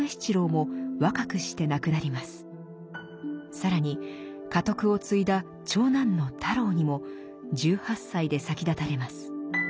更に家督を継いだ長男の太郎にも１８歳で先立たれます。